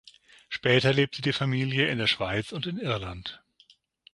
Später lebte die Familie in der Schweiz und in Irland.